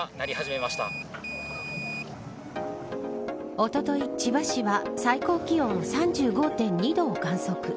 おととい、千葉市は最高気温３５．２度を観測。